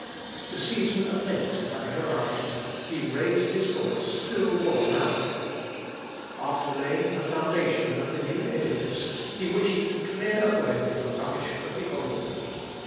The season of Lent having arrived, he raised his voice still more loudly. After laying the foundation of the new edifice, he wished to clear away the rubbish of the old.